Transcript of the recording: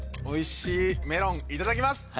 おいしいメロンいただきます！